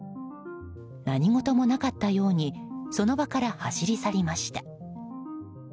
何事もなかったようにその場から走り去りました。